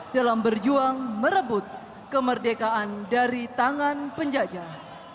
dalam berjuang merebut kemerdekaan dari tangan penjajah